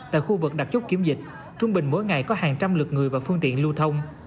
tại khu vực đặt chốt kiểm dịch trung bình mỗi ngày có hàng trăm lượt người và phương tiện lưu thông